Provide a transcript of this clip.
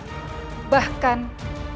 saya tidak akan berhenti